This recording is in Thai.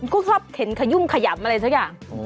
ก็ชอบเข็นขยุ่มขยำอะไรสักอย่าง